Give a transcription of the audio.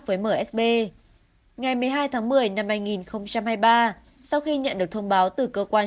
với msb ngày một mươi hai tháng một mươi năm hai nghìn hai mươi ba sau khi nhận được thông báo từ cơ quan